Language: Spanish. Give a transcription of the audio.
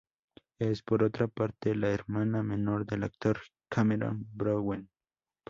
Es, por otra parte, la hermana menor del actor Cameron Bowen.